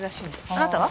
あなたは？